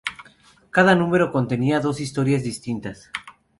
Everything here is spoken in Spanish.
Cada número contenía dos historias distintas.